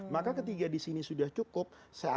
maka ketiga di sana mereka sudah dapat bagian semua